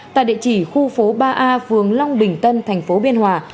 tại địa chỉ khu phố ba a phường long bình tân thành phố biên hòa